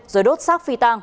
rồi đốt xác